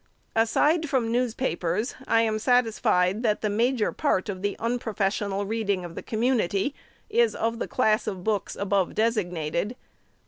Aside from newspapers, I am satisfied that the major part of the unprofessional reading of the community is of the class of books above designated.